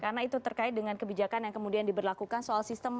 karena itu terkait dengan kebijakan yang kemudian diberlakukan soal sistem laun